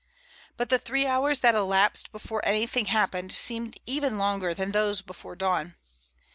But the three hours that elapsed before anything happened seemed even longer than those before dawn.